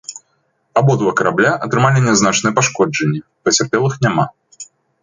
Абодва карабля атрымалі нязначныя пашкоджанні, пацярпелых няма.